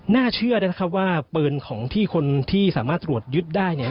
น่าเชื่อนะครับว่าปืนของที่คนที่สามารถตรวจยึดได้เนี่ย